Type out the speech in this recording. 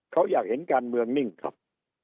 เขาอยากเห็นการเมืองนิ่งครับ